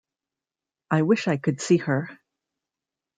I wish I could see her.